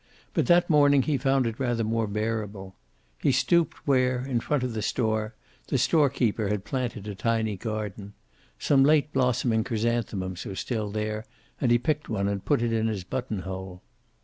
But that morning he found it rather more bearable. He stooped where, in front of the store, the storekeeper had planted a tiny garden. Some small late blossoming chrysanthemums were still there and he picked one and put it in his buttonhole.